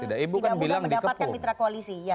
tidak mudah mendapatkan mitra koalisi